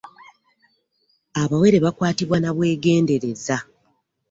Abawere bakwatibwa na bwegendereza.